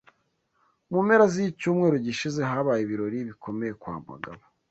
Mu mpera zicyumweru gishize habaye ibirori bikomeye kwa Mugabo.